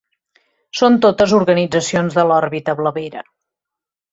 Són totes organitzacions de l’òrbita blavera.